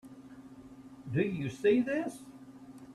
Do you see this?